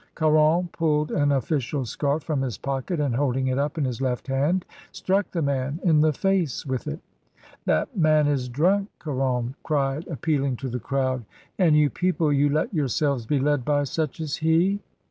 Caron pulled an official scarf from his pocket, and holding it up in his left hand, struck the man in the face with it. "That man is drunk," Caron cried, appealing to the crowd; "and you people — you let yourselves be led by such as he?"